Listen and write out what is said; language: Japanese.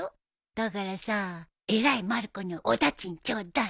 だからさ偉いまる子にお駄賃ちょうだい。